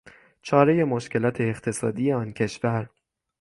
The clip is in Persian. چارهی مشکلات اقتصادی آن کشور